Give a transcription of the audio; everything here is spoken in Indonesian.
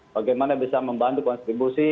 bagaimana bisa membantu konstribusi